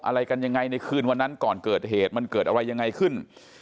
อะไรกันยังไงในคืนวันนั้นก่อนเกิดเหตุมันเกิดอะไรยังไงขึ้น